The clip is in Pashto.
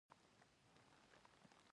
دا افغانستان دی.